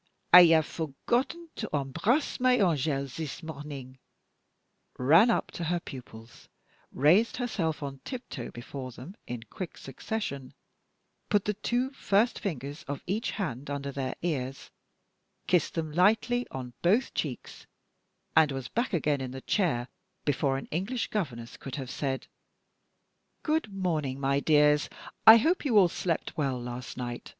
_ I have forgotten to embrace my angels this morning," ran up to her pupils, raised herself on tiptoe before them in quick succession, put the two first fingers of each hand under their ears, kissed them lightly on both cheeks, and was back again in the chair before an English governess could have said, "Good morning, my dears, I hope you all slept well last night."